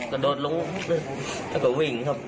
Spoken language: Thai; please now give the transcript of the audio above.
กระโดดลงแล้วก็วิ่งครับ